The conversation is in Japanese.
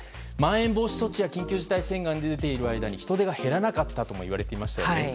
まん延防止措置や緊急事態宣言が出ている間人出が減らなかったといわれていましたよね。